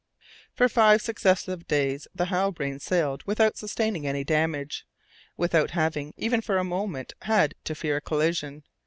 For five successive days the Halbrane sailed without sustaining any damage, without having, even for a moment, had to fear a collision.